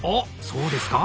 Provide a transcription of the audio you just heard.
そうですか。